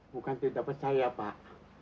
bukan tidak percaya pak